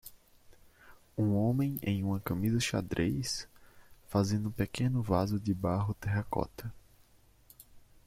Um homem em uma camisa xadrez? fazendo um pequeno vaso de barro de terracota.